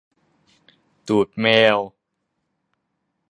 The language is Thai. ตูดแมว